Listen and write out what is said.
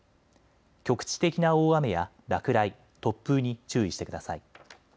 局地的な大雨や落雷、突風に注意してください。